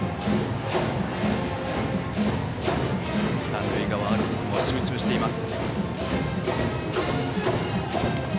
三塁側アルプスも集中しています。